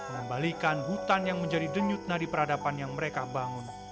menembalikan hutan yang menjadi denyutna di peradaban yang mereka bangun